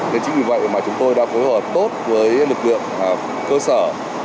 nên chính vì vậy mà chúng tôi đã phối hợp tốt với lực lượng cơ sở